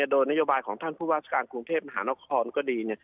โดยนโยบายของท่านผู้ว่าราชการกรุงเทพมหานครก็ดี